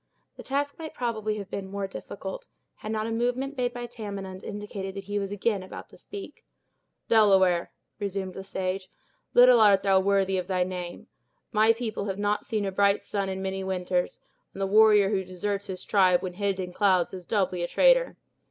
The task might probably have been more difficult, had not a movement made by Tamenund indicated that he was again about to speak. "Delaware!" resumed the sage, "little art thou worthy of thy name. My people have not seen a bright sun in many winters; and the warrior who deserts his tribe when hid in clouds is doubly a traitor.